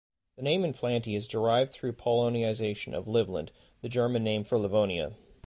The name "Inflanty" is derived through Polonization of "Livland", the German name for Livonia.